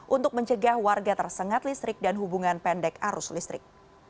untuk mencegah warga tersengat listrik dan hubungan pendek arus listrik